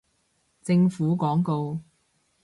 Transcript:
政府廣告